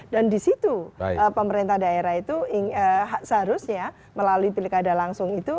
dan di situ pemerintah daerah itu seharusnya melalui pilih keadaan langsung itu